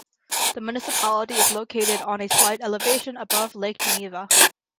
The municipality is located on a slight elevation above Lake Geneva.